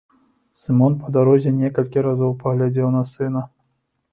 Сымон па дарозе некалькі разоў паглядзеў на сына.